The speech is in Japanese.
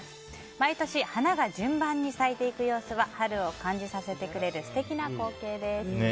毎年、花が順番に咲いていく様子は春を感じさせてくれる素敵な光景です。